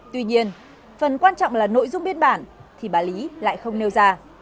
tuy nhiên phần quan trọng là nội dung biên bản thì bà lý lại không nêu ra